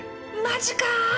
マジか！